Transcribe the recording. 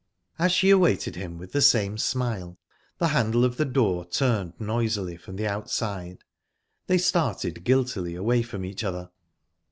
As she awaited him with the same smile, the handle of the door turned noisily from the outside. They started guiltily away from each other.